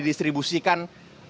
terima kasih bu hera ya sudah